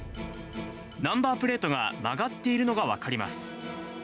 ナンバープレートが曲がっているのが分かります。